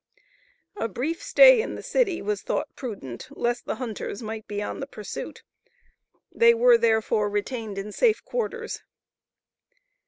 A brief stay in the city was thought prudent lest the hunters might be on the pursuit. They were, therefore, retained in safe quarters.